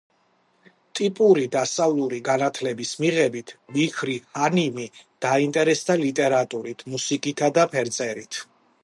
ტიპური დასავლური განათლების მიღებით, მიჰრი ჰანიმი დაინტერესდა ლიტერატურით, მუსიკითა და ფერწერით.